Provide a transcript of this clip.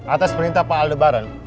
atas perintah pak aldebaran